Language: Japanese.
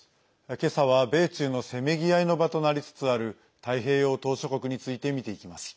けさは米中のせめぎ合いの場となりつつある太平洋島しょ国について見ていきます。